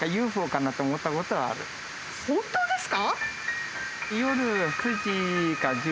本当ですか？